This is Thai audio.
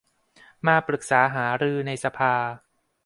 มาปรึกษาหารือในสภา